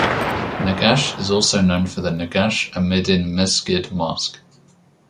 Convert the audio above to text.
Negash is also known for the Negash Amedin Mesgid mosque.